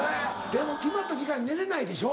決まった時間に寝れないでしょ？